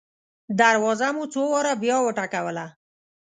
دروازه مو څو واره بیا وټکوله.